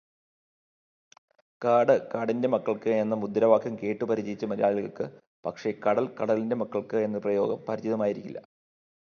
കാട് കാടിൻറെ മക്കൾക്ക് എന്ന മുദ്രാവാക്യം കേട്ടുപരിചയിച്ച മലയാളികൾക്ക് പക്ഷേ കടൽ കലടിൻറെ മക്കൾക്ക് എന്ന പ്രയോഗം പരിചിതമായിരിക്കില്ല